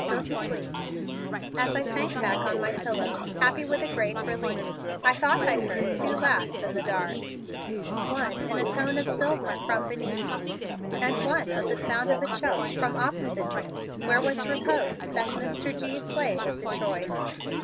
Go to sleep." As I sank back on my pillow, happy with a great relief, I thought I heard two laughs in the darkness, one in a tone of silver from beneath me and one of the sound of a choke from opposite me where was reposed that Mr. G. Slade of Detroit.